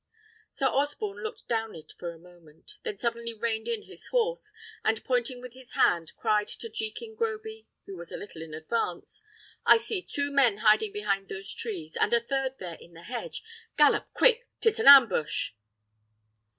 Sir Osborne looked down it for a moment, then suddenly reined in his horse, and pointing with his hand, cried to Jekin Groby, who was a little in advance, "I see two men hiding behind those trees, and a third there in the hedge. Gallop quick; 'tis an ambush!"